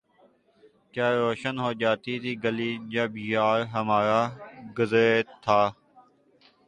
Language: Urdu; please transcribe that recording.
کیا روشن ہو جاتی تھی گلی جب یار ہمارا گزرے تھا